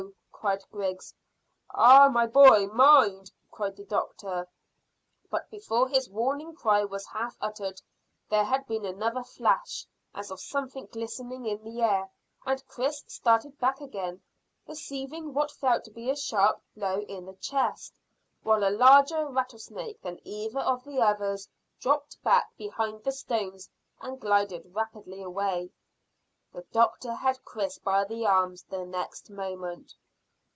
cried Griggs. "Ah, my boy! Mind!" cried the doctor. But before his warning cry was half uttered there had been another flash as of something glistening in the air, and Chris started back again, receiving what felt to be a sharp blow in the chest, while a larger rattlesnake than either of the others dropped back behind the stone and glided rapidly away. The doctor had Chris by the arms the next moment.